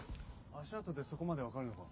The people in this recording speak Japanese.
足跡でそこまで分かるのか？